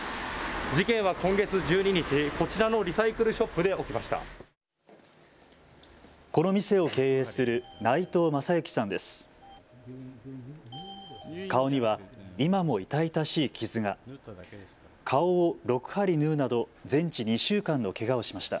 事件は今月１２日、こちらのリサイクルショップで起きました。